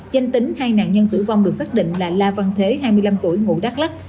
danh tính hai nạn nhân tử vong được xác định là la văn thế hai mươi năm tuổi ngụ đắk lắc